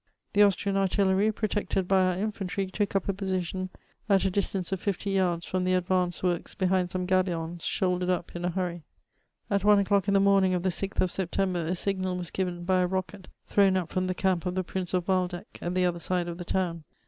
The Austrian ardlleiy, protected by our infantry, took up a position at a distance of fifty yards from the advanced works behind some gabions shouldered up in a hurry. At one o'clock in the morning of the 6th of September, a signal was ^ven by a rocket thrown up from the camp of the Prince of Waldeck at the other side of the town.